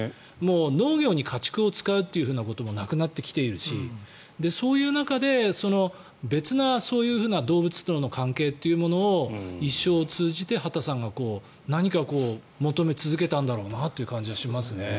農業に家畜を使うっていうこともなくなってきているしそういう中で別なそういう動物との関係というものを一生を通じて畑さんが何かこう求め続けたんだろうなという感じがしますね。